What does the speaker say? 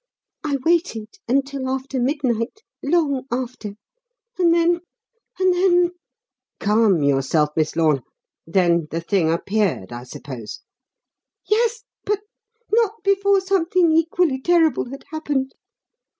I waited until after midnight long after and then and then " "Calm yourself, Miss Lorne. Then the thing appeared, I suppose?" "Yes; but not before something equally terrible had happened.